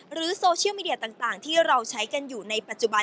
โซเชียลมีเดียต่างที่เราใช้กันอยู่ในปัจจุบัน